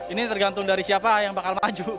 ini tergantung dari siapa yang bakal maju